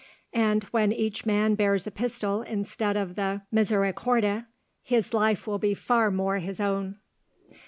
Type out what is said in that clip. And, when each man bears a pistol instead of the misericorde, his life will be far more his own."